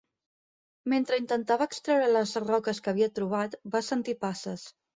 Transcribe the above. Mentre intentava extreure les roques que havia trobat, va sentir passes.